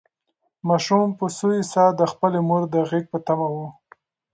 ماشوم په سوې ساه د خپلې مور د غږ په تمه و.